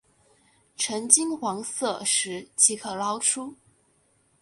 呈金黄色时即可捞出。